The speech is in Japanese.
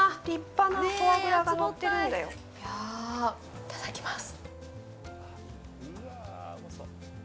いただきます！